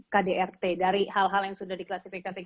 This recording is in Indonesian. kdrt dari hal hal yang sudah diklasifikasikan